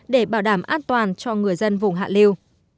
để bảo đảm an toàn cho người dân vùng hạ liêu